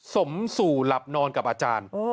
สมสู่หลับนอนกับอาจารย์